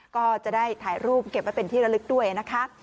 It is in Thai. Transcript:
ก็จะได้ถ่ายรูปเก็บไว้เป็นที่ระลึกด้วยนะคะ